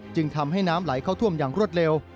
จึงทำให้น้ำไหลเข้าท่วมอย่างรวดเร็ว